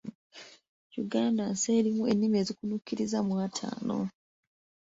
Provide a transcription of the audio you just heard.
Uganda nsi erimu ennimi ezikunukkiriza mu ataano.